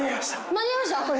間に合いました。